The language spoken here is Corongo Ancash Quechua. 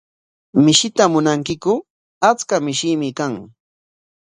¿Mishita munankiku? Achka mishiimi kan.